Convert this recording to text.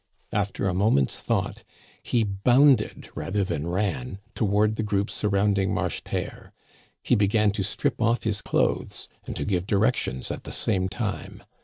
After a moment's thought, he bounded rather than ran toward the group surrounding Marcheterre. He began to strip ofif his clothes and to give directions at the same time.